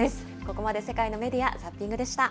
ここまで世界のメディア・ザッピングでした。